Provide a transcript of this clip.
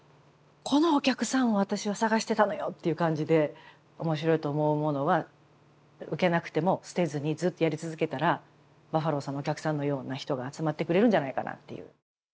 このお客さんを私は探してたのよっていう感じで面白いと思うものは受けなくても捨てずにずっとやり続けたらバッファローさんのお客さんのような人が集まってくれるんじゃないかなっていう。